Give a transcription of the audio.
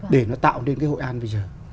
để nó tạo nên cái hội an bây giờ